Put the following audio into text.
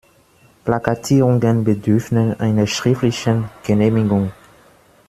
Plakatierungen bedürfen einer schriftlichen Genehmigung.